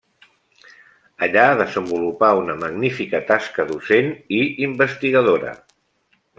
Allà desenvolupà una magnífica tasca docent i investigadora.